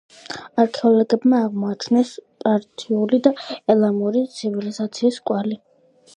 არქეოლოგებმა აღმოაჩინეს პართიული და ელამური ცივილიზაციის კვალი.